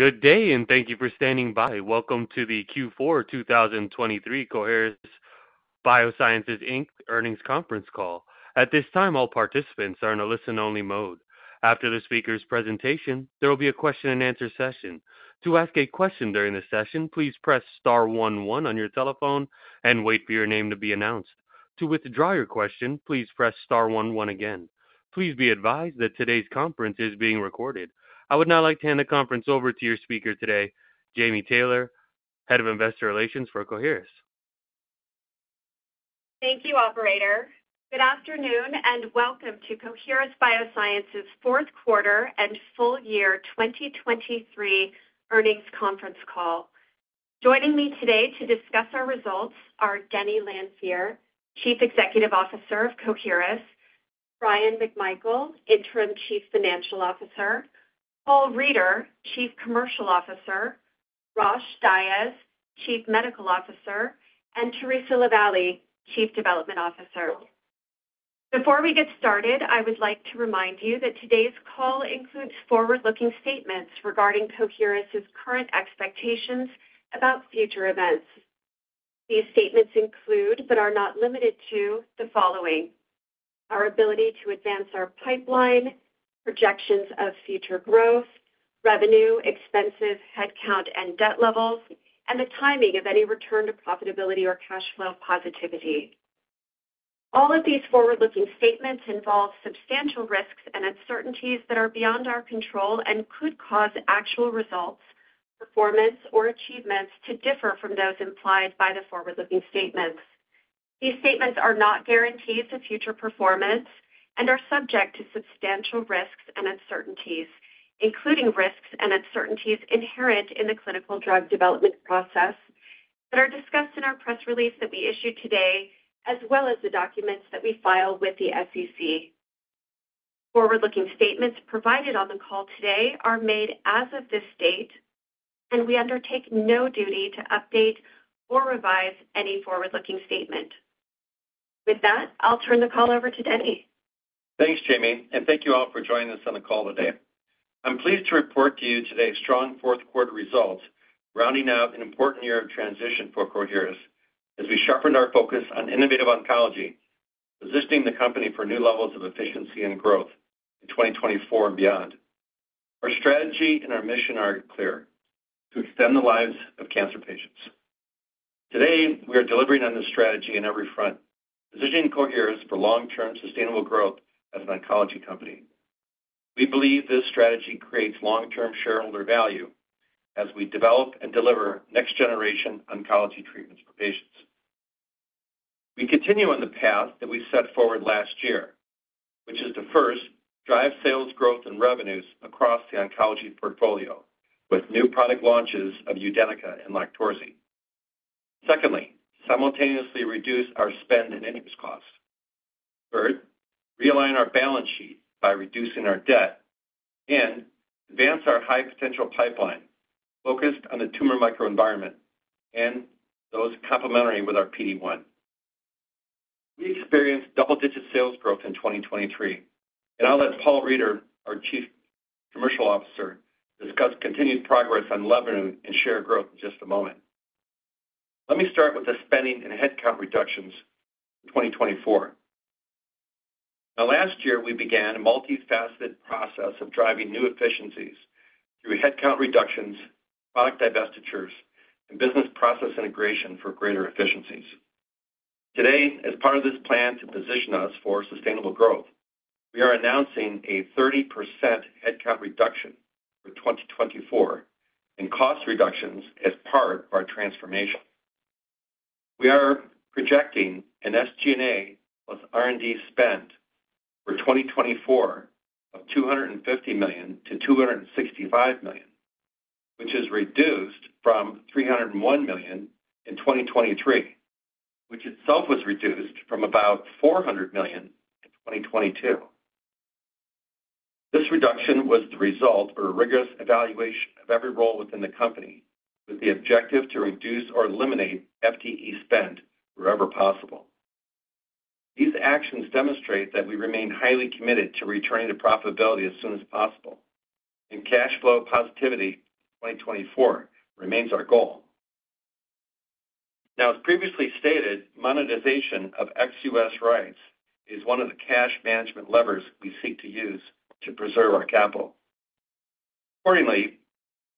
Good day, and thank you for standing by. Welcome to the Q4 2023 Coherus BioSciences, Inc. Earnings Conference Call. At this time, all participants are in a listen-only mode. After the speaker's presentation, there will be a question-and-answer session. To ask a question during the session, please press star 11 on your telephone and wait for your name to be announced. To withdraw your question, please press star 11 again. Please be advised that today's conference is being recorded. I would now like to hand the conference over to your speaker today, Jami Taylor, Head of Investor Relations for Coherus BioSciences. Thank you, operator. Good afternoon and welcome to Coherus BioSciences' Q4 and full year 2023 earnings conference call. Joining me today to discuss our results are Denny Lanfear, Chief Executive Officer of Coherus; Bryan McMichael, Interim Chief Financial Officer; Paul Reider, Chief Commercial Officer; Rosh Dias, Chief Medical Officer; and Theresa LaVallee, Chief Development Officer. Before we get started, I would like to remind you that today's call includes forward-looking statements regarding Coherus' current expectations about future events. These statements include but are not limited to the following: our ability to advance our pipeline, projections of future growth, revenue, expenses, headcount, and debt levels, and the timing of any return to profitability or cash flow positivity. All of these forward-looking statements involve substantial risks and uncertainties that are beyond our control and could cause actual results, performance, or achievements to differ from those implied by the forward-looking statements. These statements are not guarantees of future performance and are subject to substantial risks and uncertainties, including risks and uncertainties inherent in the clinical drug development process that are discussed in our press release that we issue today, as well as the documents that we file with the SEC. Forward-looking statements provided on the call today are made as of this date, and we undertake no duty to update or revise any forward-looking statement. With that, I'll turn the call over to Denny. Thanks, Jami, and thank you all for joining us on the call today. I'm pleased to report to you today's strong Q4 results, rounding out an important year of transition for Coherus as we sharpened our focus on innovative oncology, positioning the company for new levels of efficiency and growth in 2024 and beyond. Our strategy and our mission are clear: to extend the lives of cancer patients. Today, we are delivering on this strategy on every front, positioning Coherus for long-term sustainable growth as an oncology company. We believe this strategy creates long-term shareholder value as we develop and deliver next-generation oncology treatments for patients. We continue on the path that we set forward last year, which is to, first, drive sales growth and revenues across the oncology portfolio with new product launches of UDENYCA and LOQTORZI. Secondly, simultaneously reduce our spend and interest costs. Third, realign our balance sheet by reducing our debt and advance our high-potential pipeline focused on the tumor microenvironment and those complementary with our PD-1. We experienced double-digit sales growth in 2023, and I'll let Paul Reider, our Chief Commercial Officer, discuss continued progress on revenue and share growth in just a moment. Let me start with the spending and headcount reductions for 2024. Now, last year, we began a multifaceted process of driving new efficiencies through headcount reductions, product divestitures, and business process integration for greater efficiencies. Today, as part of this plan to position us for sustainable growth, we are announcing a 30% headcount reduction for 2024 and cost reductions as part of our transformation. We are projecting an SG&A plus R&D spend for 2024 of $250 million-$265 million, which is reduced from $301 million in 2023, which itself was reduced from about $400 million in 2022. This reduction was the result of a rigorous evaluation of every role within the company with the objective to reduce or eliminate FTE spend wherever possible. These actions demonstrate that we remain highly committed to returning to profitability as soon as possible, and cash flow positivity in 2024 remains our goal. Now, as previously stated, monetization of ex-US rights is one of the cash management levers we seek to use to preserve our capital. Accordingly,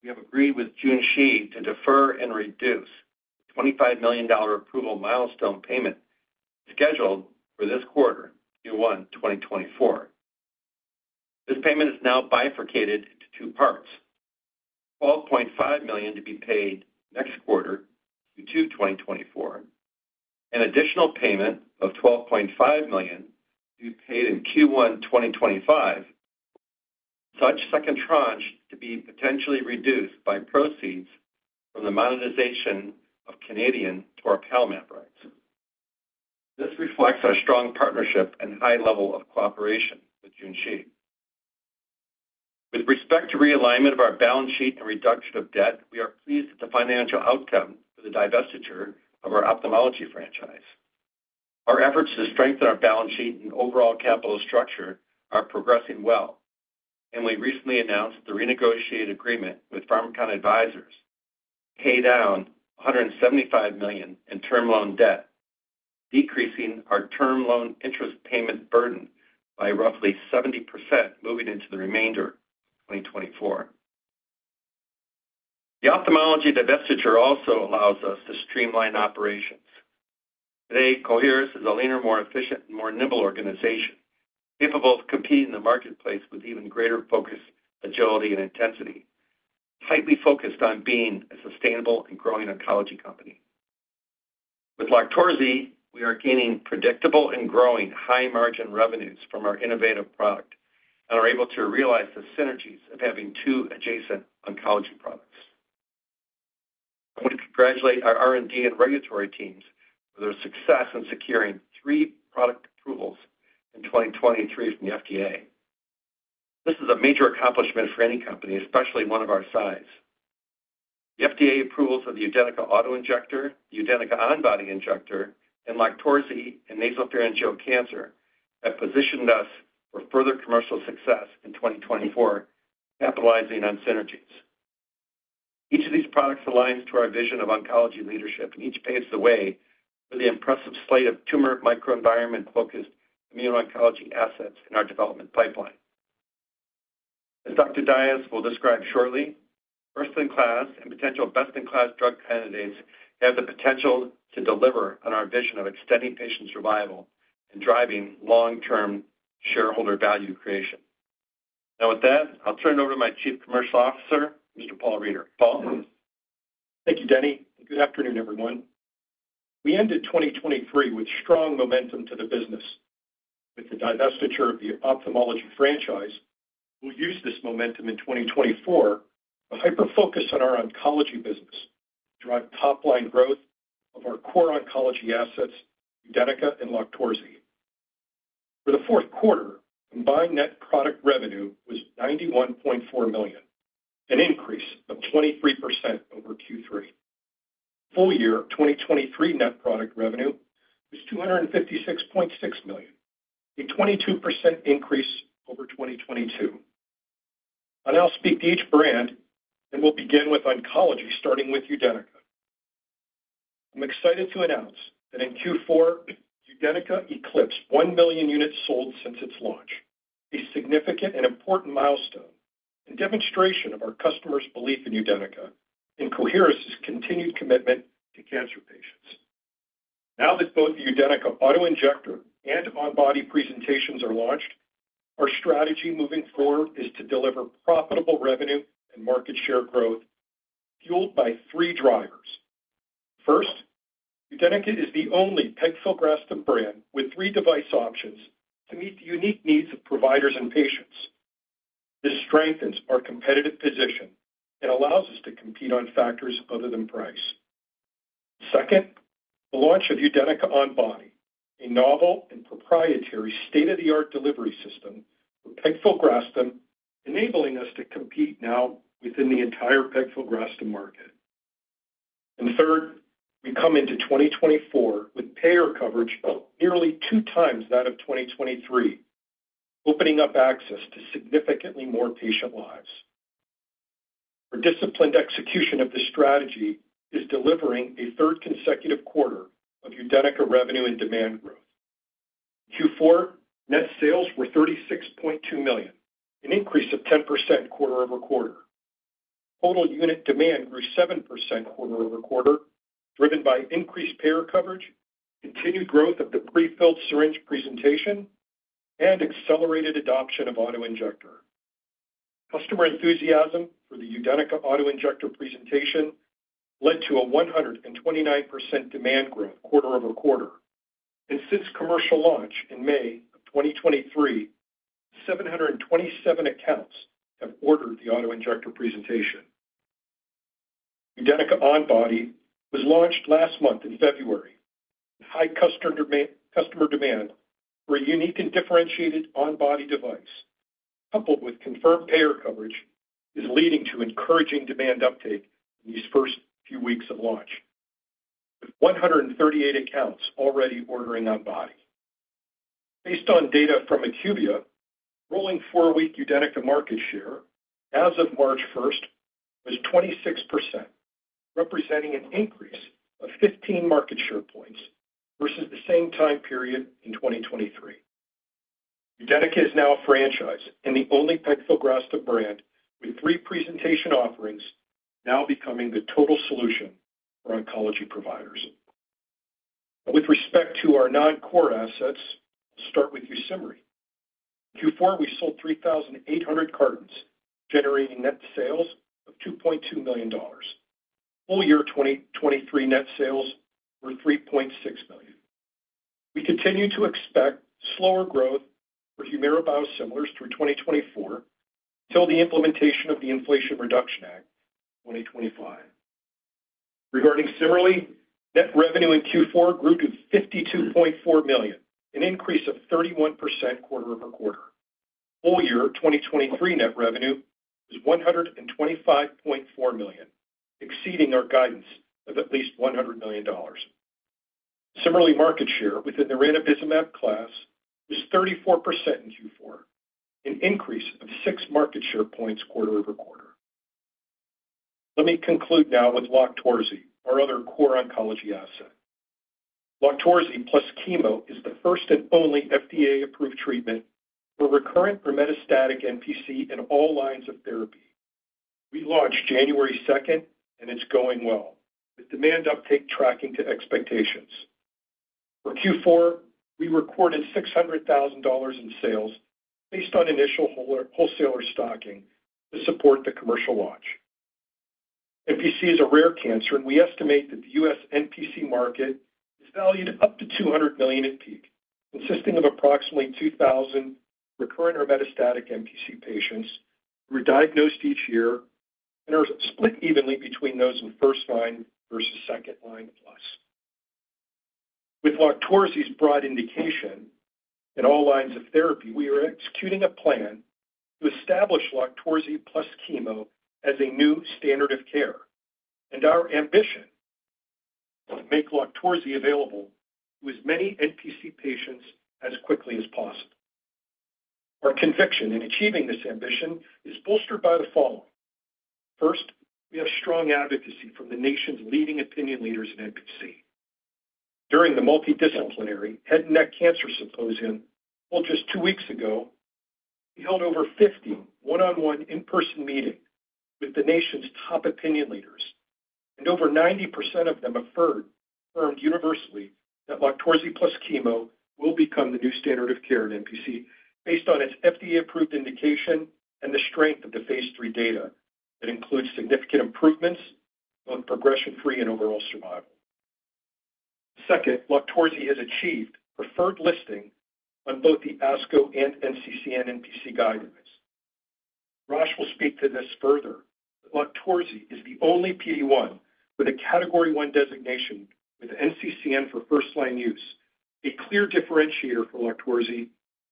we have agreed with Junshi to defer and reduce the $25 million approval milestone payment scheduled for this quarter, Q1 2024. This payment is now bifurcated into two parts: $12.5 million to be paid next quarter, Q2 2024, and an additional payment of $12.5 million to be paid in Q1 2025, such second tranche to be potentially reduced by proceeds from the monetization of Canadian toripalimab rights. This reflects our strong partnership and high level of cooperation with Junshi. With respect to realignment of our balance sheet and reduction of debt, we are pleased with the financial outcome for the divestiture of our ophthalmology franchise. Our efforts to strengthen our balance sheet and overall capital structure are progressing well, and we recently announced the renegotiated agreement with Pharmakon Advisors to pay down $175 million in term loan debt, decreasing our term loan interest payment burden by roughly 70% moving into the remainder of 2024. The ophthalmology divestiture also allows us to streamline operations. Today, Coherus is a leaner, more efficient, and more nimble organization, capable of competing in the marketplace with even greater focus, agility, and intensity, tightly focused on being a sustainable and growing oncology company. With LOQTORZI, we are gaining predictable and growing high-margin revenues from our innovative product and are able to realize the synergies of having two adjacent oncology products. I want to congratulate our R&D and regulatory teams for their success in securing three product approvals in 2023 from the FDA. This is a major accomplishment for any company, especially one of our size. The FDA approvals of the UDENYCA autoinjector, the UDENYCA On-body injector, and LOQTORZI in nasopharyngeal cancer have positioned us for further commercial success in 2024, capitalizing on synergies. Each of these products aligns to our vision of oncology leadership and each paves the way for the impressive slate of tumor microenvironment-focused immuno-oncology assets in our development pipeline. As Dr. Dias will describe shortly, first-in-class and potential best-in-class drug candidates have the potential to deliver on our vision of extending patient survival and driving long-term shareholder value creation. Now, with that, I'll turn it over to my Chief Commercial Officer, Mr. Paul Reider. Paul? Thank you, Denny. Good afternoon, everyone. We ended 2023 with strong momentum to the business. With the divestiture of the ophthalmology franchise, we'll use this momentum in 2024 to hyper-focus on our oncology business, drive top-line growth of our core oncology assets, UDENYCA and LOQTORZI. For the Q4, combined net product revenue was $91.4 million, an increase of 23% over Q3. Full year 2023 net product revenue was $256.6 million, a 22% increase over 2022. I'll now speak to each brand, and we'll begin with oncology, starting with UDENYCA. I'm excited to announce that in Q4, UDENYCA eclipsed 1 million units sold since its launch, a significant and important milestone and demonstration of our customers' belief in UDENYCA and Coherus' continued commitment to cancer patients. Now that both the UDENYCA autoinjector and on-body presentations are launched, our strategy moving forward is to deliver profitable revenue and market share growth fueled by three drivers. First, UDENYCA is the only pegfilgrastim brand with three device options to meet the unique needs of providers and patients. This strengthens our competitive position and allows us to compete on factors other than price. Second, the launch of UDENYCA Onbody, a novel and proprietary state-of-the-art delivery system for pegfilgrastim, enabling us to compete now within the entire pegfilgrastim market. Third, we come into 2024 with payer coverage nearly two times that of 2023, opening up access to significantly more patient lives. Our disciplined execution of this strategy is delivering a third consecutive quarter of UDENYCA revenue and demand growth. Q4, net sales were $36.2 million, an increase of 10% quarter-over-quarter. Total unit demand grew 7% quarter over quarter, driven by increased payer coverage, continued growth of the prefilled syringe presentation, and accelerated adoption of autoinjector. Customer enthusiasm for the UDENYCA autoinjector presentation led to a 129% demand growth quarter over quarter. Since commercial launch in May of 2023, 727 accounts have ordered the autoinjector presentation. UDENYCA Onbody was launched last month in February. High customer demand for a unique and differentiated Onbody device, coupled with confirmed payer coverage, is leading to encouraging demand uptake in these first few weeks of launch, with 138 accounts already ordering Onbody. Based on data from IQVIA, rolling four-week UDENYCA market share as of March 1st was 26%, representing an increase of 15 market share points versus the same time period in 2023. UDENYCA is now a franchise and the only pegfilgrastim brand with three presentation offerings now becoming the total solution for oncology providers. Now, with respect to our non-core assets, I'll start with YUSIMRY. In Q4, we sold 3,800 cartons, generating net sales of $2.2 million. Full year 2023 net sales were $3.6 million. We continue to expect slower growth for Humira biosimilars through 2024 until the implementation of the Inflation Reduction Act in 2025. Regarding CIMERLI, net revenue in Q4 grew to $52.4 million, an increase of 31% quarter-over-quarter. Full year 2023 net revenue was $125.4 million, exceeding our guidance of at least $100 million. CIMERLI market share within the ranibizumab class was 34% in Q4, an increase of six market share points quarter-over-quarter. Let me conclude now with LOQTORZI, our other core oncology asset. LOQTORZI plus chemo is the first and only FDA-approved treatment for recurrent or metastatic NPC in all lines of therapy. We launched January 2nd, and it's going well, with demand uptake tracking to expectations. For Q4, we recorded $600,000 in sales based on initial wholesaler stocking to support the commercial launch. NPC is a rare cancer, and we estimate that the U.S. NPC market is valued up to $200 million at peak, consisting of approximately 2,000 recurrent or metastatic NPC patients who are diagnosed each year and are split evenly between those in first-line versus second-line plus. With LOQTORZI's broad indication in all lines of therapy, we are executing a plan to establish LOQTORZI plus chemo as a new standard of care. Our ambition is to make LOQTORZI available to as many NPC patients as quickly as possible. Our conviction in achieving this ambition is bolstered by the following: first, we have strong advocacy from the nation's leading opinion leaders in NPC. During the Multidisciplinary Head and Neck Cancer Symposium, held just two weeks ago, we held over 50 one-on-one in-person meetings with the nation's top opinion leaders, and over 90% of them affirmed universally that LOQTORZI plus chemo will become the new standard of care in NPC based on its FDA-approved indication and the strength of the phase III data that includes significant improvements, both progression-free and overall survival. Second, LOQTORZI has achieved preferred listing on both the ASCO and NCCN NPC guidelines. Rosh will speak to this further, but LOQTORZI is the only PD-1 with a category 1 designation with NCCN for first-line use, a clear differentiator for LOQTORZI,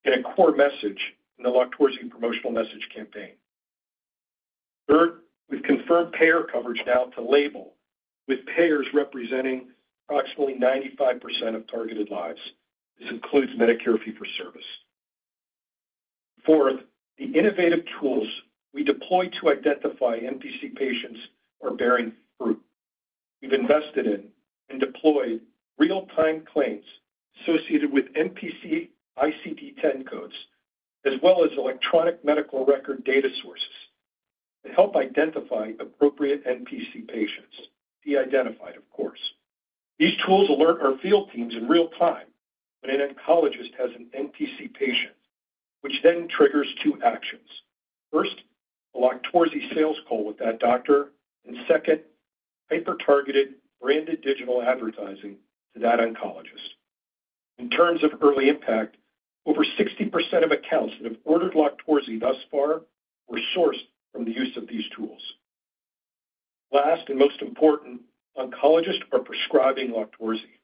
and a core message in the LOQTORZI promotional message campaign. Third, we've confirmed payer coverage now to label, with payers representing approximately 95% of targeted lives. This includes Medicare fee-for-service. Fourth, the innovative tools we deploy to identify NPC patients are bearing fruit. We've invested in and deployed real-time claims associated with NPC ICD-10 codes, as well as electronic medical record data sources to help identify appropriate NPC patients, de-identified, of course. These tools alert our field teams in real time when an oncologist has an NPC patient, which then triggers two actions: first, a LOQTORZI sales call with that doctor; and second, hyper-targeted branded digital advertising to that oncologist. In terms of early impact, over 60% of accounts that have ordered LOQTORZI thus far were sourced from the use of these tools. Last and most important, oncologists are prescribing LOQTORZI.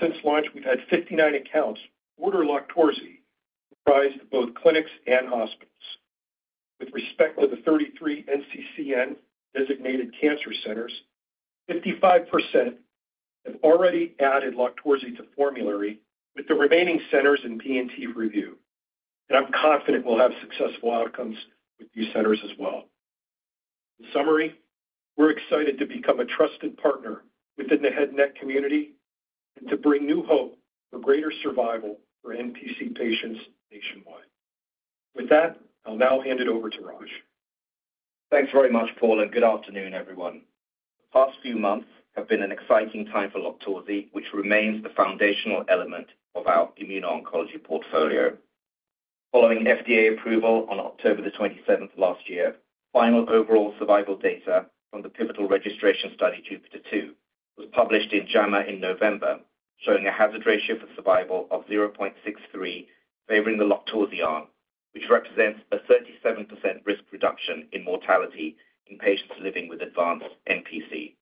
Since launch, we've had 59 accounts order LOQTORZI, comprising both clinics and hospitals. With respect to the 33 NCCN designated cancer centers, 55% have already added LOQTORZI to formulary with the remaining centers in P&T review. I'm confident we'll have successful outcomes with these centers as well. In summary, we're excited to become a trusted partner within the head and neck community and to bring new hope for greater survival for NPC patients nationwide. With that, I'll now hand it over to Rosh. Thanks very much, Paul, and good afternoon, everyone. The past few months have been an exciting time for LOQTORZI, which remains the foundational element of our immuno-oncology portfolio. Following FDA approval on October the 27th last year, final overall survival data from the pivotal registration study JUPITER-02 was published in JAMA in November, showing a hazard ratio for survival of 0.63 favoring the LOQTORZI arm, which represents a 37% risk reduction in mortality in patients living with advanced NPC.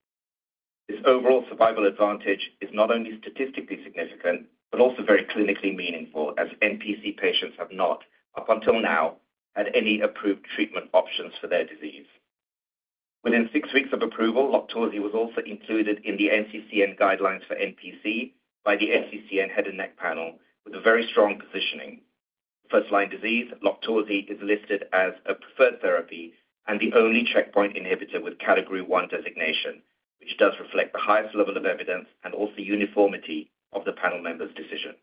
This overall survival advantage is not only statistically significant but also very clinically meaningful, as NPC patients have not, up until now, had any approved treatment options for their disease. Within 6 weeks of approval, LOQTORZI was also included in the NCCN guidelines for NPC by the NCCN head and neck panel with a very strong positioning. First-line disease, LOQTORZI is listed as a preferred therapy and the only checkpoint inhibitor with category one designation, which does reflect the highest level of evidence and also uniformity of the panel members' decision.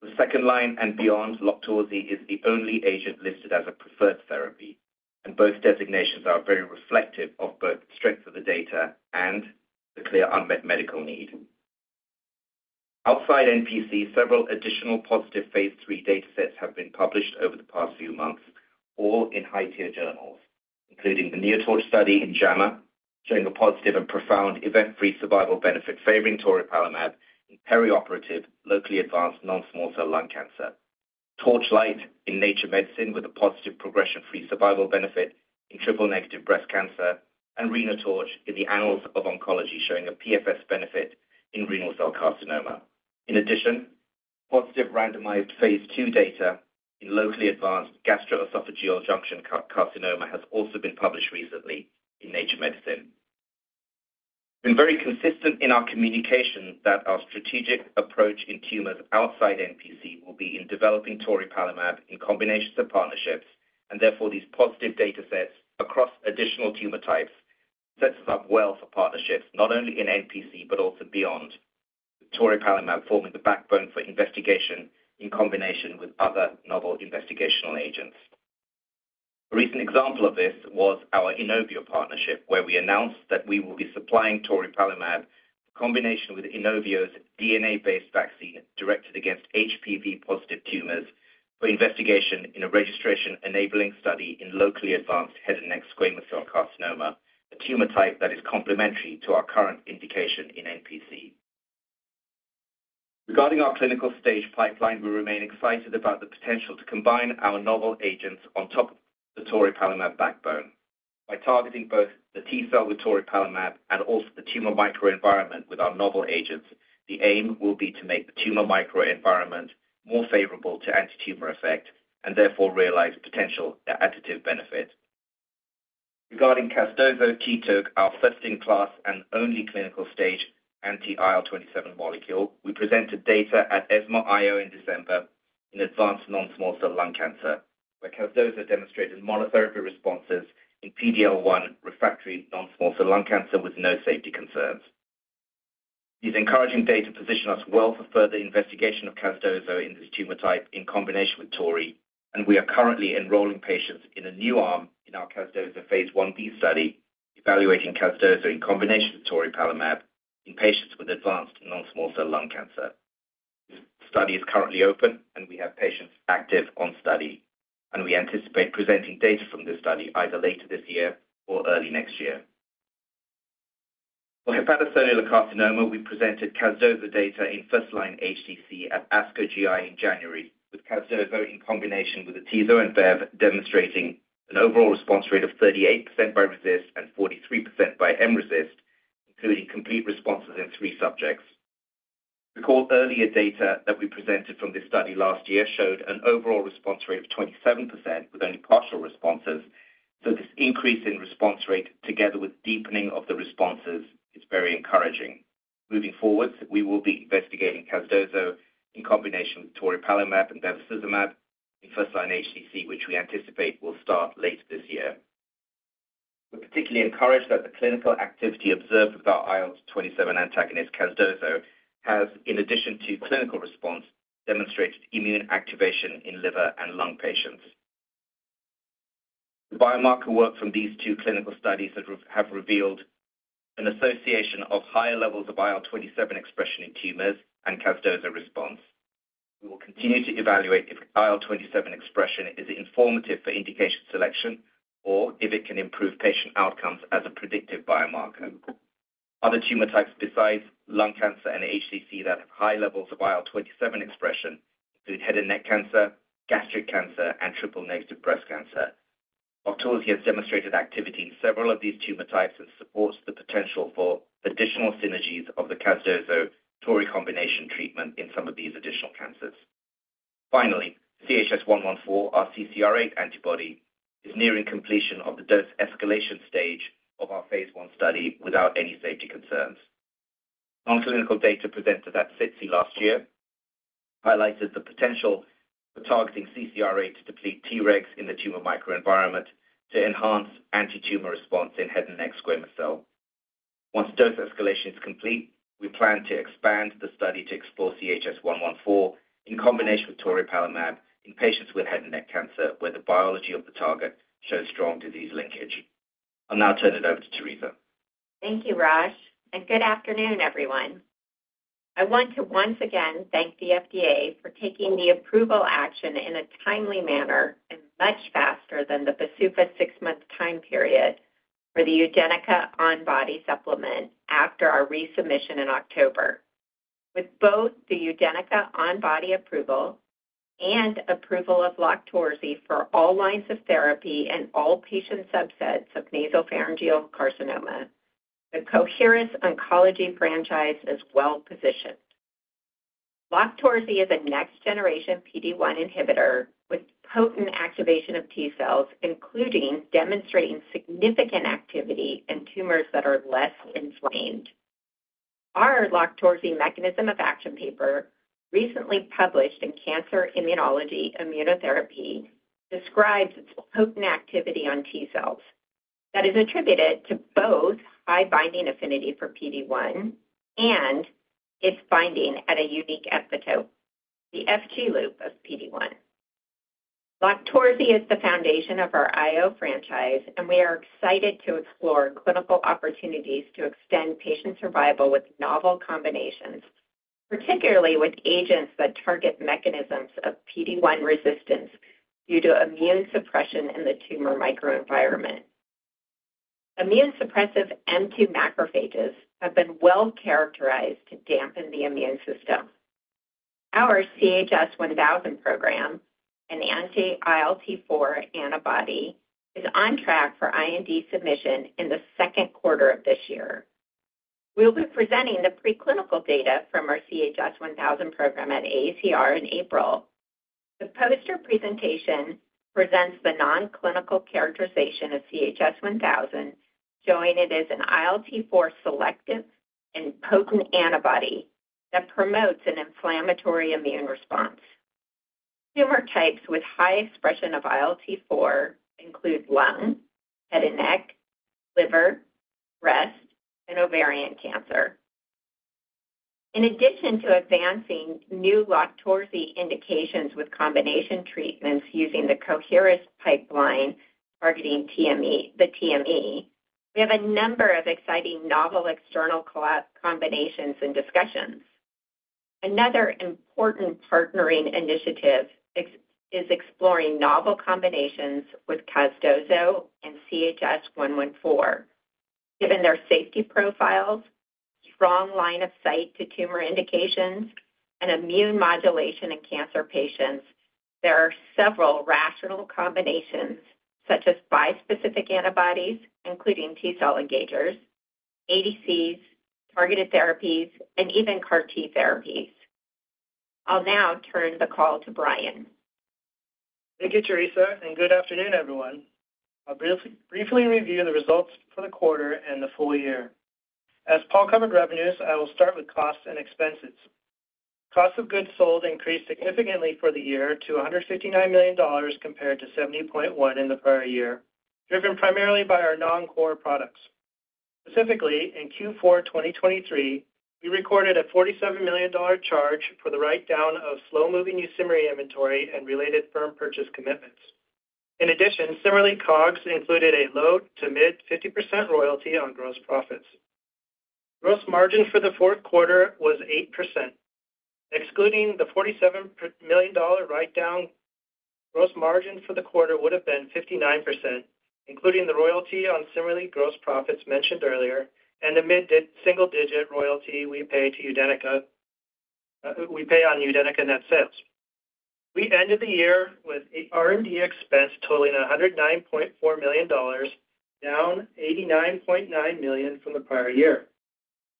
For second-line and beyond, LOQTORZI is the only agent listed as a preferred therapy, and both designations are very reflective of both the strength of the data and the clear unmet medical need. Outside NPC, several additional positive phase III data sets have been published over the past few months, all in high-tier journals, including the NeoTORCH study in JAMA showing a positive and profound event-free survival benefit favoring toripalimab in perioperative, locally advanced non-small cell lung cancer, TORCHLIGHT in Nature Medicine with a positive progression-free survival benefit in triple-negative breast cancer, and RENOTORCH in the Annals of Oncology showing a PFS benefit in renal cell carcinoma. In addition, positive randomized phase II data in locally advanced gastroesophageal junction carcinoma has also been published recently in Nature Medicine. We've been very consistent in our communication that our strategic approach in tumors outside NPC will be in developing toripalimab in combinations of partnerships, and therefore these positive data sets across additional tumor types set us up well for partnerships not only in NPC but also beyond, with toripalimab forming the backbone for investigation in combination with other novel investigational agents. A recent example of this was our Inovio partnership, where we announced that we will be supplying toripalimab in combination with Inovio's DNA-based vaccine directed against HPV-positive tumors for investigation in a registration-enabling study in locally advanced head and neck squamous cell carcinoma, a tumor type that is complementary to our current indication in NPC. Regarding our clinical stage pipeline, we remain excited about the potential to combine our novel agents on top of the toripalimab backbone. By targeting both the T-cell with toripalimab and also the tumor microenvironment with our novel agents, the aim will be to make the tumor microenvironment more favorable to antitumor effect and therefore realize potential additive benefit. Regarding casdozokitug, our first-in-class and only clinical stage anti-IL-27 molecule, we presented data at ESMO I/O in December in advanced non-small cell lung cancer, where casdozokitug demonstrated monotherapy responses in PD-L1 refractory non-small cell lung cancer with no safety concerns. These encouraging data position us well for further investigation of casdozokitug in this tumor type in combination with Tori, and we are currently enrolling patients in a new arm in our casdozokitug phase Ib study, evaluating casdozokitug in combination with toripalimab in patients with advanced non-small cell lung cancer. This study is currently open, and we have patients active on study, and we anticipate presenting data from this study either later this year or early next year. For hepatocellular carcinoma, we presented casdozokitug data in first-line HCC at ASCO GI in January, with casdozokitug in combination with the Atezo and Bev demonstrating an overall response rate of 38% by RECIST and 43% by mRECIST, including complete responses in three subjects. Recall, earlier data that we presented from this study last year showed an overall response rate of 27% with only partial responses, so this increase in response rate together with deepening of the responses is very encouraging. Moving forward, we will be investigating casdozokitug in combination with toripalimab and bevacizumab in first-line HCC, which we anticipate will start later this year. We're particularly encouraged that the clinical activity observed with our IL-27 antagonist, casdozokitug, has, in addition to clinical response, demonstrated immune activation in liver and lung patients. The biomarker work from these two clinical studies has revealed an association of higher levels of IL-27 expression in tumors and casdozokitug response. We will continue to evaluate if IL-27 expression is informative for indication selection or if it can improve patient outcomes as a predictive biomarker. Other tumor types besides lung cancer and HCC that have high levels of IL-27 expression include head and neck cancer, gastric cancer, and triple-negative breast cancer. LOQTORZI has demonstrated activity in several of these tumor types and supports the potential for additional synergies of the casdozokitug-toripalimab combination treatment in some of these additional cancers. Finally, CHS-114, our CCR8 antibody, is nearing completion of the dose escalation stage of our phase I study without any safety concerns. Non-clinical data presented at SITC last year highlighted the potential for targeting CCR8 to deplete Tregs in the tumor microenvironment to enhance antitumor response in head and neck squamous cell. Once dose escalation is complete, we plan to expand the study to explore CHS-114 in combination with toripalimab in patients with head and neck cancer where the biology of the target shows strong disease linkage. I'll now turn it over to Theresa. Thank you, Rosh, and good afternoon, everyone. I want to once again thank the FDA for taking the approval action in a timely manner and much faster than the BsUFA 6-month time period for the UDENYCA Onbody supplement after our resubmission in October. With both the UDENYCA Onbody approval and approval of LOQTORZI for all lines of therapy and all patient subsets of nasopharyngeal carcinoma, the Coherus Oncology franchise is well positioned. LOQTORZI is a next-generation PD-1 inhibitor with potent activation of T-cells, including demonstrating significant activity in tumors that are less inflamed. Our LOQTORZI mechanism of action paper, recently published in Cancer Immunology Immunotherapy, describes its potent activity on T-cells that is attributed to both high binding affinity for PD-1 and its binding at a unique epitope, the FG loop of PD-1. LOQTORZI is the foundation of our I/O franchise, and we are excited to explore clinical opportunities to extend patient survival with novel combinations, particularly with agents that target mechanisms of PD-1 resistance due to immune suppression in the tumor microenvironment. Immune suppressive M2 macrophages have been well characterized to dampen the immune system. Our CHS-1000 program, an anti-ILT4 antibody, is on track for IND submission in the Q2 of this year. We'll be presenting the preclinical data from our CHS-1000 program at AACR in April. The poster presentation presents the non-clinical characterization of CHS-1000, showing it is an ILT4 selective and potent antibody that promotes an inflammatory immune response. Tumor types with high expression of ILT4 include lung, head and neck, liver, breast, and ovarian cancer. In addition to advancing new LOQTORZI indications with combination treatments using the Coherus pipeline targeting the TME, we have a number of exciting novel external combinations and discussions. Another important partnering initiative is exploring novel combinations with casdozokitug and CHS-114. Given their safety profiles, strong line of sight to tumor indications, and immune modulation in cancer patients, there are several rational combinations such as bispecific antibodies, including T-cell engagers, ADCs, targeted therapies, and even CAR-T therapies. I'll now turn the call to Bryan. Thank you, Theresa, and good afternoon, everyone. I'll briefly review the results for the quarter and the full year. As Paul covered revenues, I will start with costs and expenses. Costs of goods sold increased significantly for the year to $159 million compared to $70.1 million in the prior year, driven primarily by our non-core products. Specifically, in Q4 2023, we recorded a $47 million charge for the write-down of slow-moving UDENYCA inventory and related firm purchase commitments. In addition, similarly, COGS included a low- to mid-50% royalty on gross profits. Gross margin for the Q4 was 8%. Excluding the $47 million write-down, gross margin for the quarter would have been 59%, including the royalty on UDENYCA gross profits mentioned earlier and the mid-single-digit royalty we pay on UDENYCA net sales. We ended the year with R&D expense totaling $109.4 million, down $89.9 million from the prior year.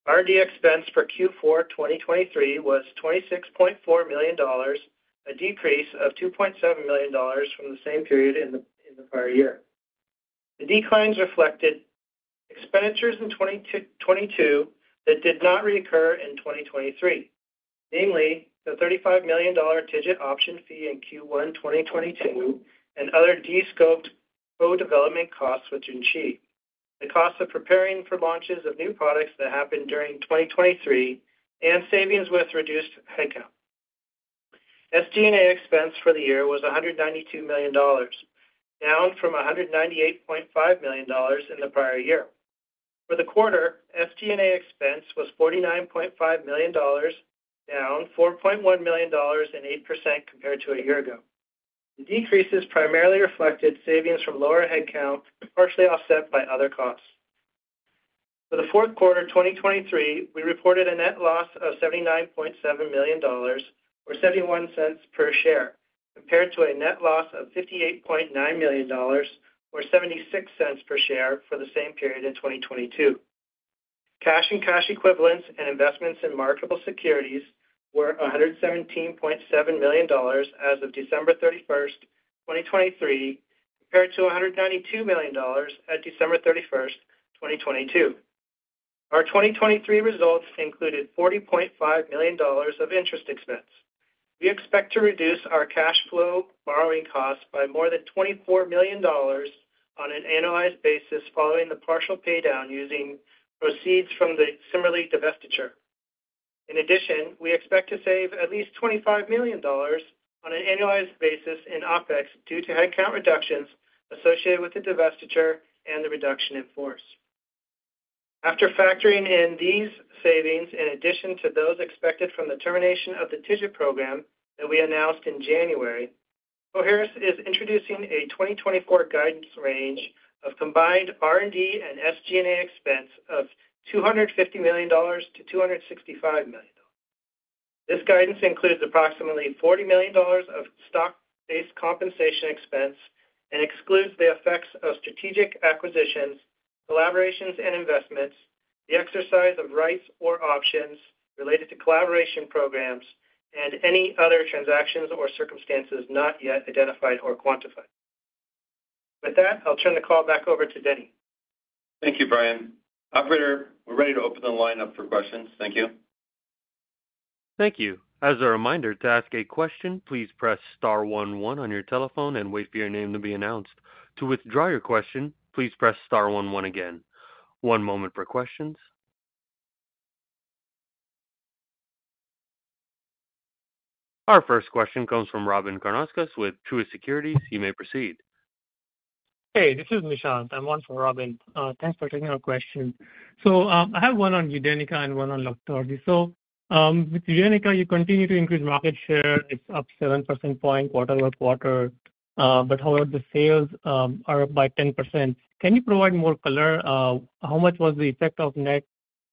R&D expense for Q4 2023 was $26.4 million, a decrease of $2.7 million from the same period in the prior year. The declines reflected expenditures in 2022 that did not reoccur in 2023, namely the $35 million upfront option fee in Q1 2022 and other de-scoped co-development costs with Junshi, the cost of preparing for launches of new products that happened during 2023, and savings with reduced headcount. SG&A expense for the year was $192 million, down from $198.5 million in the prior year. For the quarter, SG&A expense was $49.5 million, down $4.1 million and 8% compared to a year ago. The decreases primarily reflected savings from lower headcount, partially offset by other costs. For the Q4 2023, we reported a net loss of $79.7 million or $0.71 per share compared to a net loss of $58.9 million or $0.76 per share for the same period in 2022. Cash and cash equivalents and investments in marketable securities were $117.7 million as of December 31, 2023, compared to $192 million at December 31, 2022. Our 2023 results included $40.5 million of interest expense. We expect to reduce our cash flow borrowing costs by more than $24 million on an annualized basis following the partial paydown using proceeds from the CIMERLI divestiture. In addition, we expect to save at least $25 million on an annualized basis in OpEx due to headcount reductions associated with the divestiture and the reduction in force. After factoring in these savings in addition to those expected from the termination of the TIGIT program that we announced in January, Coherus is introducing a 2024 guidance range of combined R&D and SG&A expense of $250 million-$265 million. This guidance includes approximately $40 million of stock-based compensation expense and excludes the effects of strategic acquisitions, collaborations, and investments, the exercise of rights or options related to collaboration programs, and any other transactions or circumstances not yet identified or quantified. With that, I'll turn the call back over to Denny. Thank you, Brian. Operator, we're ready to open the line up for questions. Thank you. Thank you. As a reminder, to ask a question, please press star 11 on your telephone and wait for your name to be announced. To withdraw your question, please press star 11 again. One moment for questions. Our first question comes from Robyn Karnauskas with Truist Securities. You may proceed. Hey, this is Nishant. I'm on for Robyn. Thanks for taking our question. So I have one on UDENYCA and one on LOQTORZI. So with UDENYCA, you continue to increase market share. It's up 7 percentage points quarter-over-quarter. But however, the sales are up by 10%. Can you provide more color? How much was the effect of net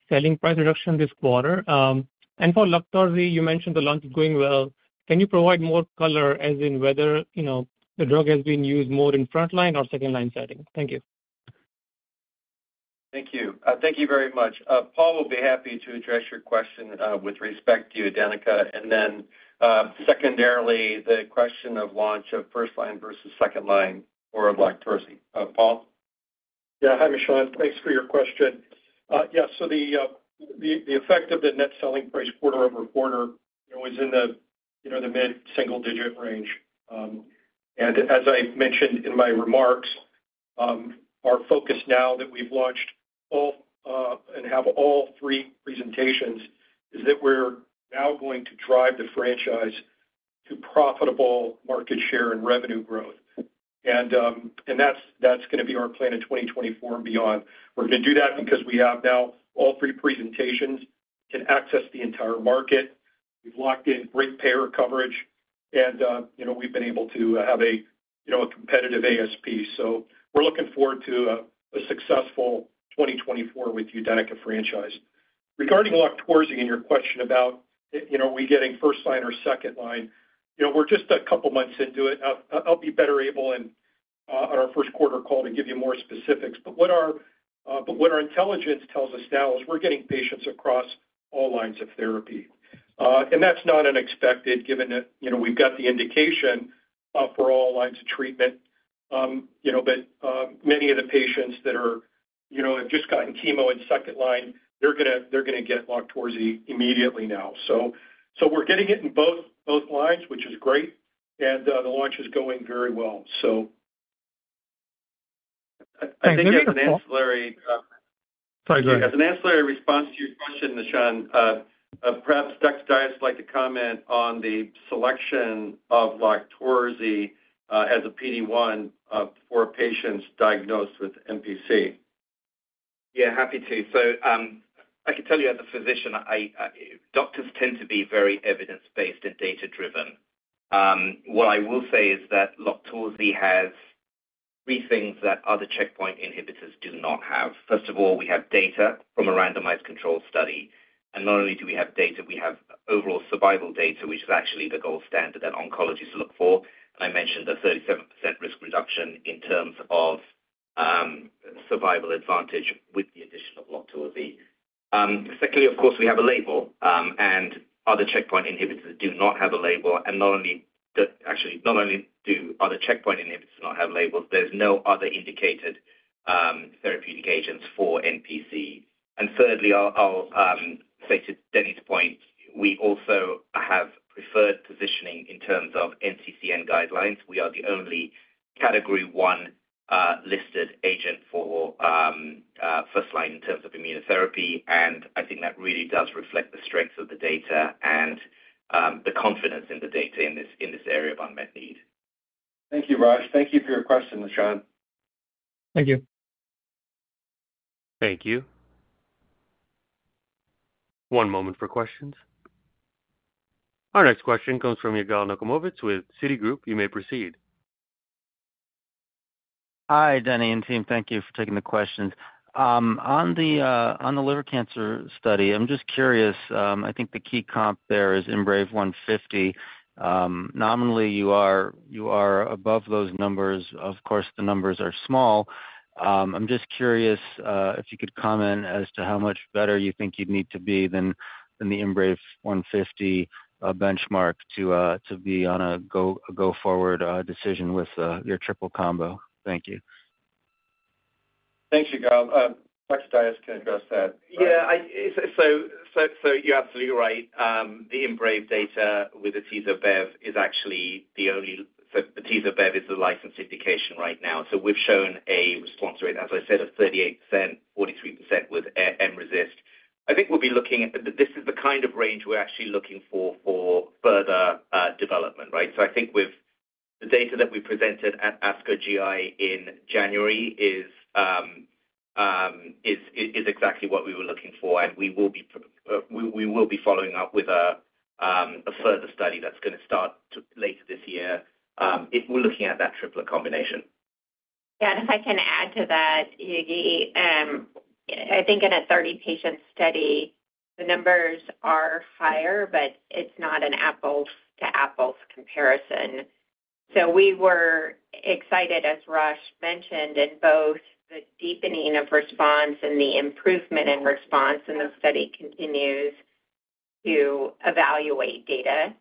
selling price reduction this quarter? And for LOQTORZI, you mentioned the launch is going well. Can you provide more color, as in whether the drug has been used more in frontline or second-line setting? Thank you. Thank you. Thank you very much. Paul will be happy to address your question with respect to UDENYCA. And then secondarily, the question of launch of firstline versus secondline for LOQTORZI. Paul? Yeah. Hi, Nishant. Thanks for your question. Yeah. So the effect of the net selling price quarter-over-quarter was in the mid-single-digit range. And as I mentioned in my remarks, our focus now that we've launched all and have all three presentations is that we're now going to drive the franchise to profitable market share and revenue growth. And that's going to be our plan in 2024 and beyond. We're going to do that because we have now all three presentations can access the entire market. We've locked in great payer coverage, and we've been able to have a competitive ASP. So we're looking forward to a successful 2024 with UDENYCA franchise. Regarding LOQTORZI and your question about are we getting first-line or second-line, we're just a couple of months into it. I'll be better able on our Q1 call to give you more specifics. But what our intelligence tells us now is we're getting patients across all lines of therapy. And that's not unexpected given that we've got the indication for all lines of treatment. But many of the patients that have just gotten chemo in second line, they're going to get LOQTORZI immediately now. So we're getting it in both lines, which is great. And the launch is going very well, so. I think as an ancillary, sorry, go ahead. As an ancillary response to your question, Nishant, perhaps Dr. Dias would like to comment on the selection of LOQTORZI as a PD-1 for patients diagnosed with NPC. Yeah, happy to. So I can tell you as a physician, doctors tend to be very evidence-based and data-driven. What I will say is that LOQTORZI has three things that other checkpoint inhibitors do not have. First of all, we have data from a randomized control study. And not only do we have data, we have overall survival data, which is actually the gold standard that oncologists look for. And I mentioned the 37% risk reduction in terms of survival advantage with the addition of LOQTORZI. Secondly, of course, we have a label. And other checkpoint inhibitors do not have a label. And actually, not only do other checkpoint inhibitors not have labels, there's no other indicated therapeutic agents for NPC. And thirdly, I'll say to Denny's point, we also have preferred positioning in terms of NCCN guidelines. We are the only Category 1 listed agent for first-line in terms of immunotherapy. I think that really does reflect the strength of the data and the confidence in the data in this area of unmet need. Thank you, Rosh. Thank you for your question, Nishant. Thank you. Thank you. One moment for questions. Our next question comes from Yigal Nochomovitz with Citigroup. You may proceed. Hi, Denny and team. Thank you for taking the questions. On the liver cancer study, I'm just curious. I think the key comp there is IMbrave150. Nominally, you are above those numbers. Of course, the numbers are small. I'm just curious if you could comment as to how much better you think you'd need to be than the IMbrave150 benchmark to be on a go-forward decision with your triple combo. Thank you. Thanks, Yigal. Dr. Dias can address that. Yeah. So you're absolutely right. The IMbrave data with the Atezo Bev is actually the only so the Atezo Bev is the licensed indication right now. So we've shown a response rate, as I said, of 38%, 43% with mRECIST. I think we'll be looking at this is the kind of range we're actually looking for for further development, right? So I think with the data that we presented at ASCO GI in January is exactly what we were looking for. And we will be following up with a further study that's going to start later this year. We're looking at that triple combination. Yeah. And if I can add to that, Yigal, I think in a 30-patient study, the numbers are higher, but it's not an apples-to-apples comparison. So we were excited, as Raj mentioned, in both the deepening of response and the improvement in response, and the study continues to evaluate data.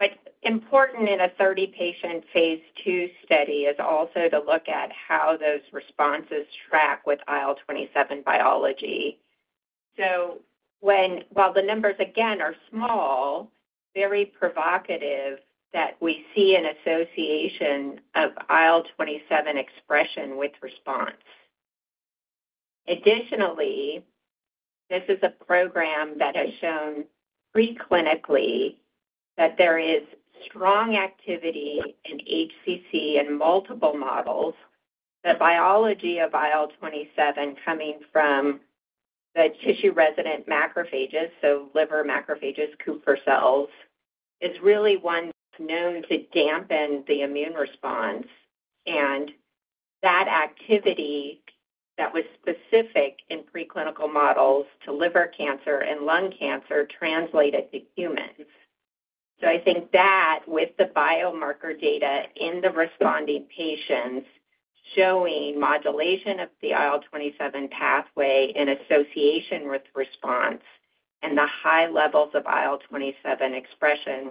But important in a 30-patient phase II study is also to look at how those responses track with IL-27 biology. So while the numbers, again, are small, very provocative that we see an association of IL-27 expression with response. Additionally, this is a program that has shown preclinically that there is strong activity in HCC and multiple models, the biology of IL-27 coming from the tissue resident macrophages, so liver macrophages, Kupffer cells, is really one known to dampen the immune response. And that activity that was specific in preclinical models to liver cancer and lung cancer translated to humans. I think that with the biomarker data in the responding patients showing modulation of the IL-27 pathway in association with response and the high levels of IL-27 expression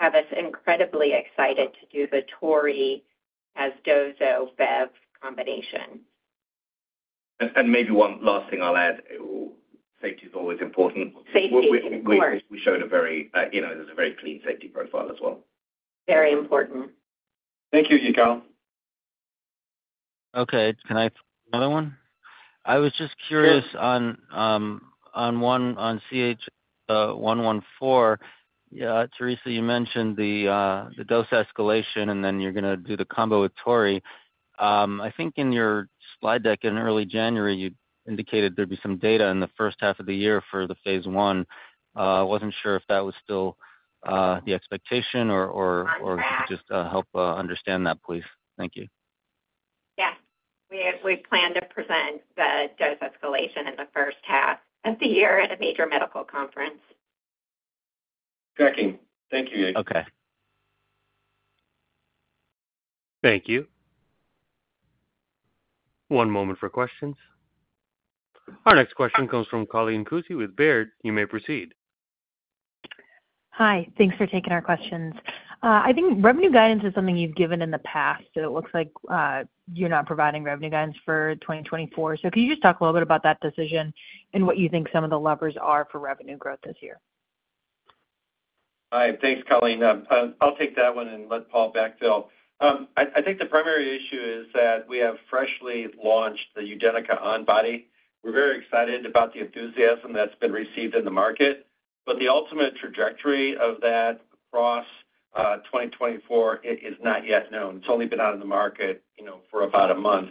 have us incredibly excited to do the toripalimab + casdozo-Bev combination. And maybe one last thing I'll add. Safety is always important. Safety is important. There's a very clean safety profile as well. Very important. Thank you, Yigal. Okay. Can I another one? I was just curious on one on CHS-114. Theresa, you mentioned the dose escalation, and then you're going to do the combo with TORI. I think in your slide deck in early January, you indicated there'd be some data in the H1 of the year for the phase one. I wasn't sure if that was still the expectation or just help understand that, please. Thank you. Yeah. We plan to present the dose escalation in the H1 of the year at a major medical conference. Checking. Thank you, Yigal. Okay. Thank you. One moment for questions. Our next question comes from Colleen Kusy with Baird. You may proceed. Hi. Thanks for taking our questions. I think revenue guidance is something you've given in the past, so it looks like you're not providing revenue guidance for 2024. Can you just talk a little bit about that decision and what you think some of the levers are for revenue growth this year? Hi. Thanks, Colleen. I'll take that one and let Paul backfill. I think the primary issue is that we have freshly launched the UDENYCA Onbody. We're very excited about the enthusiasm that's been received in the market. But the ultimate trajectory of that across 2024 is not yet known. It's only been out in the market for about a month.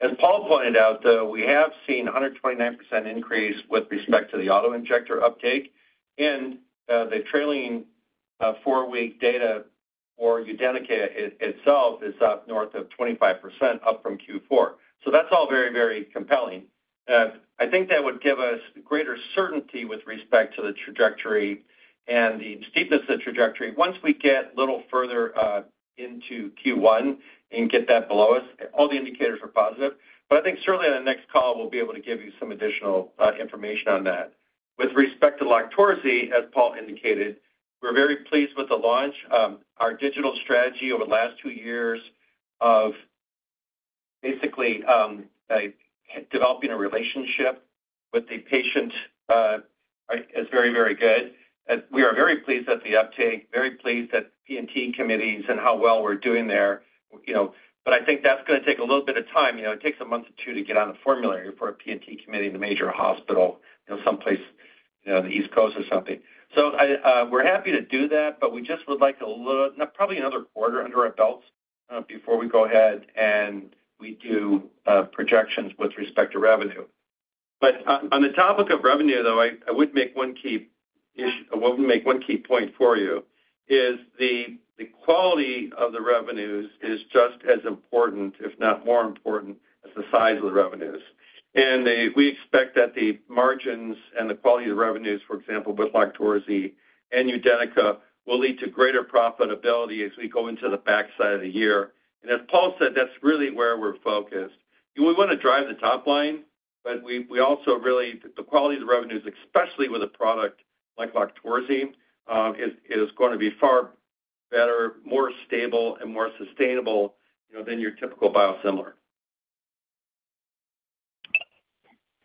As Paul pointed out, though, we have seen 129% increase with respect to the autoinjector uptake. And the trailing four-week data for UDENYCA itself is up north of 25%, up from Q4. So that's all very, very compelling. I think that would give us greater certainty with respect to the trajectory and the steepness of the trajectory once we get a little further into Q1 and get that below us. All the indicators are positive. But I think certainly on the next call, we'll be able to give you some additional information on that. With respect to LOQTORZI, as Paul indicated, we're very pleased with the launch. Our digital strategy over the last two years of basically developing a relationship with the patient is very, very good. We are very pleased at the uptake, very pleased at P&T committees and how well we're doing there. But I think that's going to take a little bit of time. It takes a month or two to get on the formulary for a P&T committee in the major hospital, someplace on the East Coast or something. So we're happy to do that, but we just would like a little probably another quarter under our belts before we go ahead and we do projections with respect to revenue. But on the topic of revenue, though, I would make one key point for you: the quality of the revenues is just as important, if not more important, as the size of the revenues. And we expect that the margins and the quality of the revenues, for example, with LOQTORZI and UDENYCA, will lead to greater profitability as we go into the back half of the year. And as Paul said, that's really where we're focused. We want to drive the top line, but we also really, the quality of the revenues, especially with a product like LOQTORZI, is going to be far better, more stable, and more sustainable than your typical biosimilar.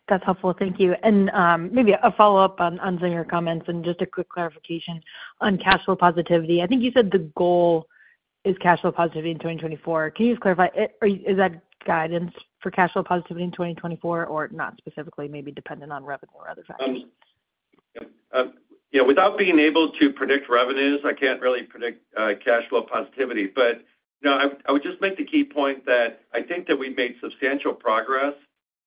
That's helpful. Thank you. Maybe a follow-up on some of your comments and just a quick clarification on cash flow positivity. I think you said the goal is cash flow positivity in 2024. Can you just clarify? Is that guidance for cash flow positivity in 2024 or not specifically, maybe dependent on revenue or other factors? Yeah. Without being able to predict revenues, I can't really predict cash flow positivity. But I would just make the key point that I think that we've made substantial progress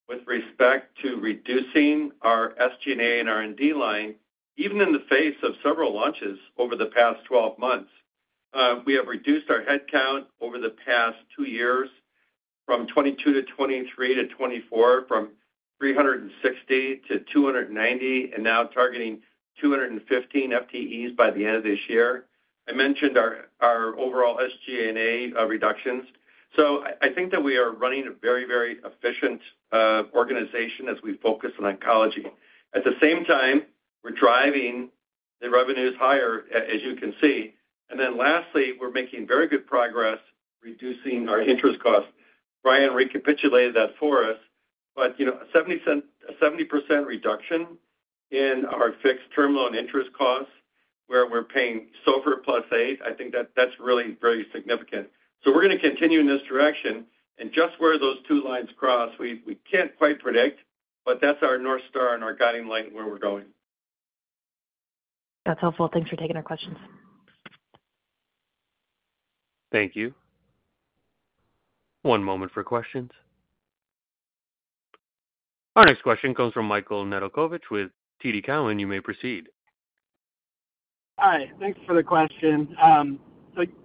with respect to reducing our SG&A and R&D line, even in the face of several launches over the past 12 months. We have reduced our headcount over the past two years from 2022 to 2023 to 2024, from 360 to 290, and now targeting 215 FTEs by the end of this year. I mentioned our overall SG&A reductions. So I think that we are running a very, very efficient organization as we focus on oncology. At the same time, we're driving the revenues higher, as you can see. And then lastly, we're making very good progress reducing our interest costs. Brian recapitulated that for us. A 70% reduction in our fixed term loan interest costs where we're paying SOFR plus 8, I think that that's really very significant. So we're going to continue in this direction. Just where those two lines cross, we can't quite predict, but that's our north star and our guiding light where we're going. That's helpful. Thanks for taking our questions. Thank you. One moment for questions. Our next question comes from Michael Nedelcovych with TD Cowen. You may proceed. Hi. Thanks for the question.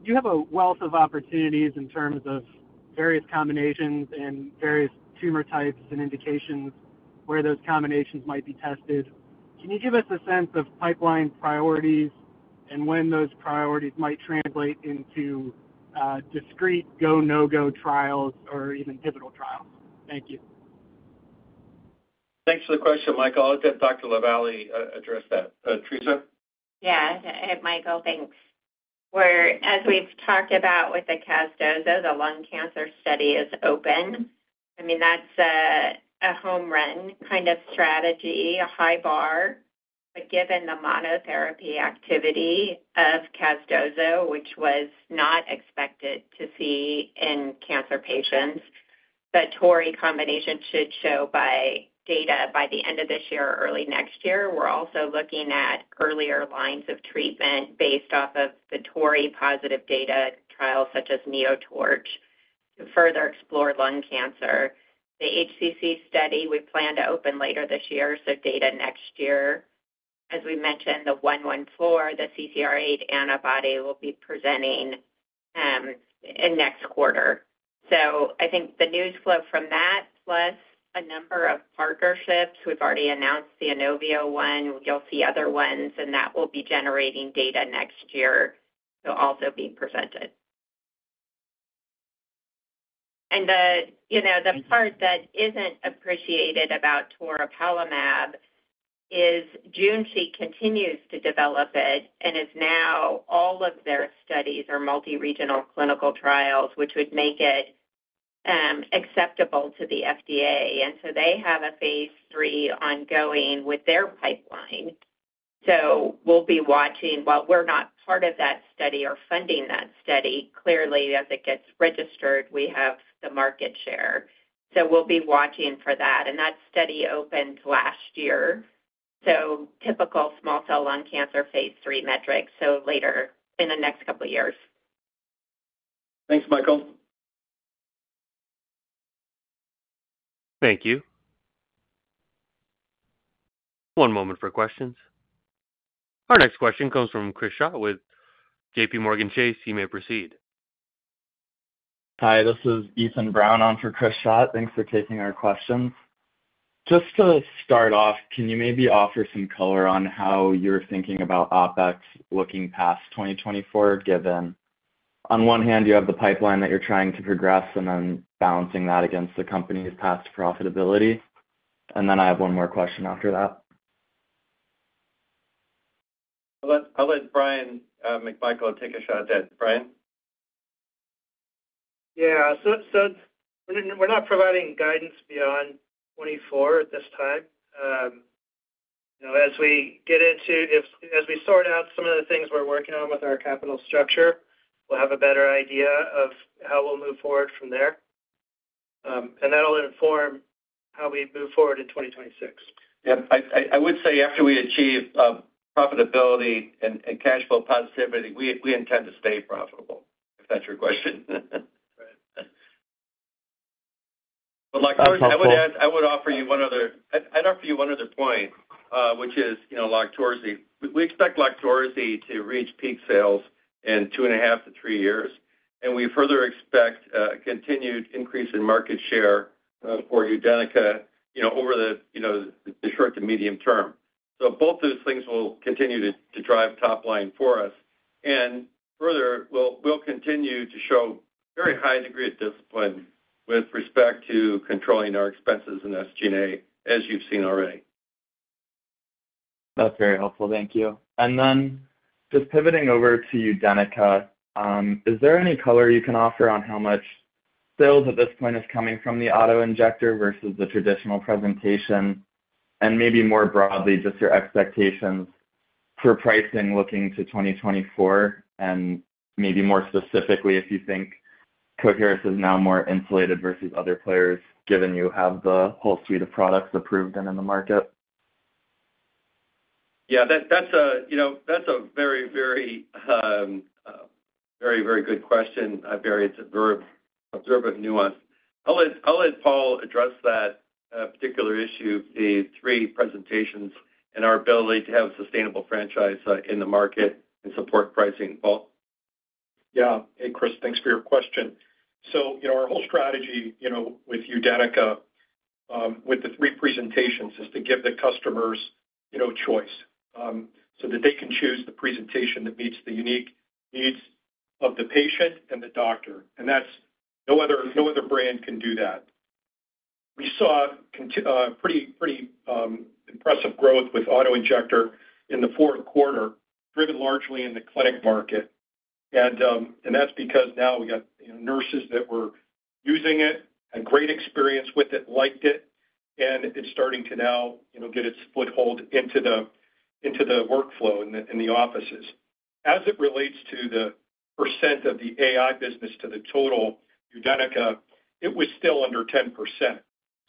You have a wealth of opportunities in terms of various combinations and various tumor types and indications where those combinations might be tested. Can you give us a sense of pipeline priorities and when those priorities might translate into discrete go-no-go trials or even pivotal trials? Thank you. Thanks for the question, Michael. I'll let Dr. LaVallee address that. Theresa? Yeah. Michael, thanks. Whereas we've talked about with the Casdozo, the lung cancer study is open. I mean, that's a home run kind of strategy, a high bar. But given the monotherapy activity of Casdozo, which was not expected to see in cancer patients, the TORI combination should show data by the end of this year or early next year. We're also looking at earlier lines of treatment based off of the TORI-positive data trials such as NeoTORCH to further explore lung cancer. The HCC study, we plan to open later this year, so data next year. As we mentioned, the 114, the CCR8 antibody will be presenting next quarter. So I think the news flow from that, plus a number of partnerships. We've already announced the Inovio one. You'll see other ones, and that will be generating data next year to also be presented. The part that isn't appreciated about toripalimab is Junshi continues to develop it, and now all of their studies are multi-regional clinical trials, which would make it acceptable to the FDA. So they have a phase III ongoing with their pipeline. We'll be watching. While we're not part of that study or funding that study, clearly, as it gets registered, we have the market share. We'll be watching for that. That study opened last year. Typical small cell lung cancer phase III metrics, so later in the next couple of years. Thanks, Michael. Thank you. One moment for questions. Our next question comes from Chris Schott with J.P. Morgan. You may proceed. Hi. This is Ethan Brown on for Chris Schott. Thanks for taking our questions. Just to start off, can you maybe offer some color on how you're thinking about OpEx looking past 2024, given on one hand, you have the pipeline that you're trying to progress and then balancing that against the company's past profitability? And then I have one more question after that. I'll let Bryan McMichael take a shot at that. Bryan? Yeah. So we're not providing guidance beyond 2024 at this time. As we sort out some of the things we're working on with our capital structure, we'll have a better idea of how we'll move forward from there. That'll inform how we move forward in 2026. Yep. I would say after we achieve profitability and cash flow positivity, we intend to stay profitable, if that's your question. But I would offer you one other point, which is LOQTORZI. We expect LOQTORZI to reach peak sales in 2.5-3 years. And we further expect a continued increase in market share for UDENYCA over the short to medium term. So both those things will continue to drive top line for us. And further, we'll continue to show very high degree of discipline with respect to controlling our expenses in SG&A, as you've seen already. That's very helpful. Thank you. And then just pivoting over to UDENYCA, is there any color you can offer on how much sales at this point is coming from the autoinjector versus the traditional presentation? And maybe more broadly, just your expectations for pricing looking to 2024 and maybe more specifically if you think Coherus is now more insulated versus other players, given you have the whole suite of products approved and in the market? Yeah. That's a very, very, very, very good question. It's a very observant nuance. I'll let Paul address that particular issue, the three presentations, and our ability to have a sustainable franchise in the market and support pricing. Paul? Yeah. Hey, Chris. Thanks for your question. So our whole strategy with UDENYCA, with the three presentations, is to give the customers choice so that they can choose the presentation that meets the unique needs of the patient and the doctor. And no other brand can do that. We saw pretty impressive growth with autoinjector in the Q4, driven largely in the clinic market. And that's because now we got nurses that were using it, had great experience with it, liked it, and it's starting to now get its foothold into the workflow in the offices. As it relates to the percent of the AI business to the total UDENYCA, it was still under 10%.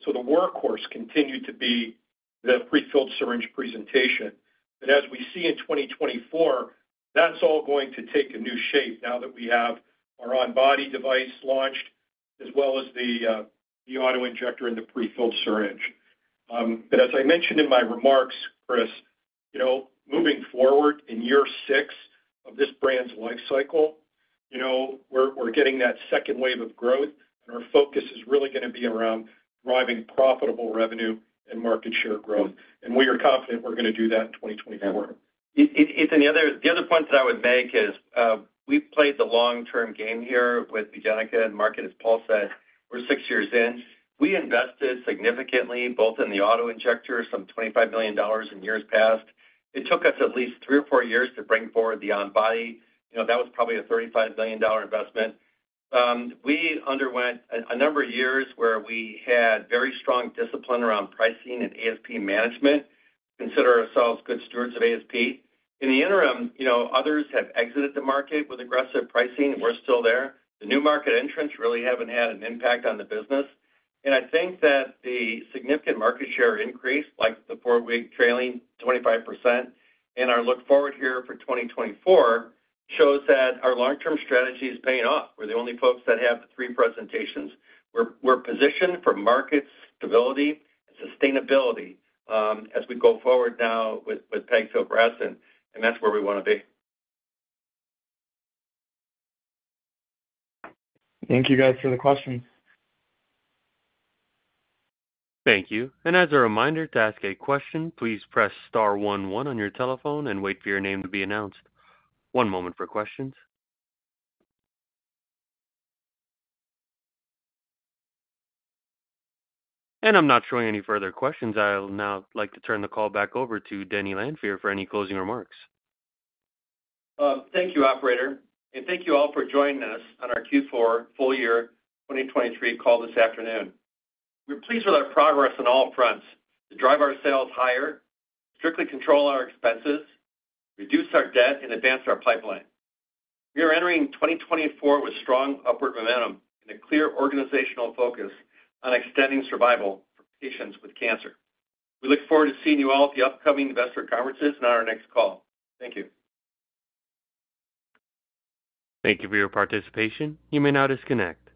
So the workhorse continued to be the prefilled syringe presentation. As we see in 2024, that's all going to take a new shape now that we have our on-body device launched as well as the autoinjector and the prefilled syringe. As I mentioned in my remarks, Chris, moving forward in year six of this brand's lifecycle, we're getting that second wave of growth, and our focus is really going to be around driving profitable revenue and market share growth. We are confident we're going to do that in 2024. Ethan, the other point that I would make is we've played the long-term game here with UDENYCA, and more, as Paul said, we're six years in. We invested significantly, both in the autoinjector, some $25 million in years past. It took us at least three or four years to bring forward the on-body. That was probably a $35 million investment. We underwent a number of years where we had very strong discipline around pricing and ASP management, consider ourselves good stewards of ASP. In the interim, others have exited the market with aggressive pricing. We're still there. The new market entrants really haven't had an impact on the business. And I think that the significant market share increase, like the four-week trailing 25%, and our look forward here for 2024 shows that our long-term strategy is paying off. We're the only folks that have the three presentations. We're positioned for market stability and sustainability as we go forward now with pegfilgrastim. That's where we want to be. Thank you guys for the questions. Thank you. As a reminder, to ask a question, please press star 11 on your telephone and wait for your name to be announced. One moment for questions. I'm not showing any further questions. I'll now like to turn the call back over to Denny Lanfear for any closing remarks. Thank you, operator. Thank you all for joining us on our Q4 full year 2023 call this afternoon. We're pleased with our progress on all fronts to drive our sales higher, strictly control our expenses, reduce our debt, and advance our pipeline. We are entering 2024 with strong upward momentum and a clear organizational focus on extending survival for patients with cancer. We look forward to seeing you all at the upcoming investor conferences and on our next call. Thank you. Thank you for your participation. You may now disconnect.